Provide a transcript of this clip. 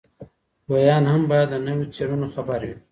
لویان هم باید له نویو څېړنو خبر وي.